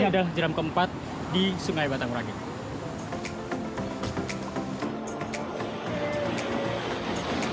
ini adalah jeram keempat di sungai batang merangin